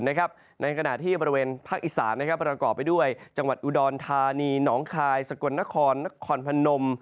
ในขณะที่บริเวณภาคอีสานประกอบไปด้วยจังหวัดอุดรธานีหนองคายสกลนครนครพนม